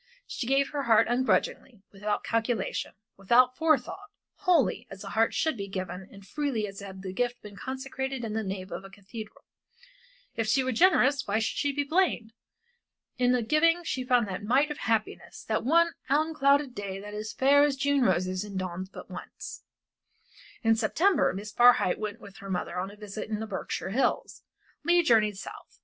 She gave her heart ungrudgingly, without calculation, without forethought, wholly, as a heart should be given and freely as had the gift been consecrated in the nave of a cathedral. If she were generous why should she be blamed? In the giving she found that mite of happiness, that one unclouded day that is fair as June roses and dawns but once. In September Miss Barhyte went with her mother on a visit in the Berkshire Hills. Leigh journeyed South.